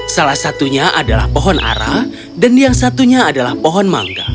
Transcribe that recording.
salah satunya adalah pohon ara dan yang satunya adalah pohon mangga